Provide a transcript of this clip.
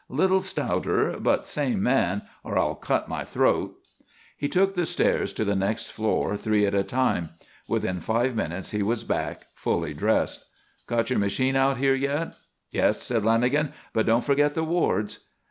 Little stouter, but same man or I'll cut my throat!" He took the stairs to the next floor three at a time. Within five minutes he was back, fully dressed. "Got your machine out here yet?" "Yes," said Lanagan. "But don't forget the Wards."